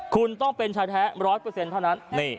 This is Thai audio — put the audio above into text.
คุณต้องเป็นชายแท้๑๐๐เท่านั้น